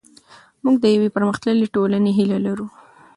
موږ د یوې پرمختللې ټولنې هیله لرو.